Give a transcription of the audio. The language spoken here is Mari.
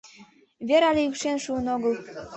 Вер але йӱкшен шуын огыл.